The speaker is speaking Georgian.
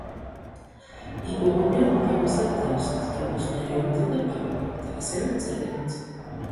იკვებებიან უმთავრესად თევზით, კიბოსნაირებითა და ბაყაყებით, ასევე მწერებით.